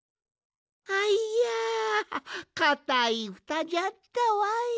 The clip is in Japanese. いやかたいふたじゃったわい。